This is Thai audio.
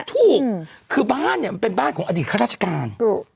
ถูกคือบ้านเนี่ยมันเป็นบ้านของอดีตข้าราชการ